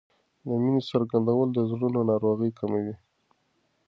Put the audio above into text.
د مینې څرګندول د زړونو ناروغۍ کموي.